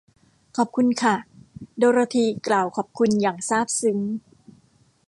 ขอบคุณค่ะ โดโรธี กล่าวขอบคุณ อย่างซาบซึ้ง